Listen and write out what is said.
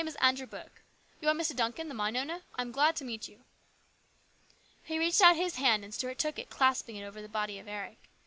73 is Andrew Burke. You are Mr. Duncan, the mine owner ? I am glad to meet you." He reached out his hand and Stuart took it, clasping it over the body of Eric.